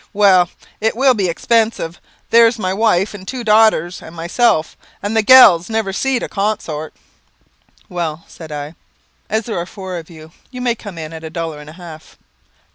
"Well, it will be expensive. There's my wife and two darters, and myself; and the galls never seed a con sort." "Well," said I, "as there are four of you, you may come in at a dollar and a half."